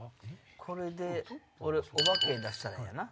これで俺オバケ出したらええんやな。